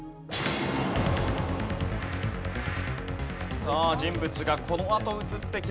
さあ人物がこのあと映ってきます。